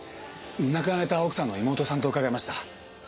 亡くなられた奥さんの妹さんと伺いました。